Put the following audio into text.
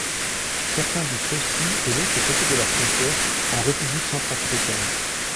Certains vivent aussi de l'autre côté de la frontière, en République centrafricaine.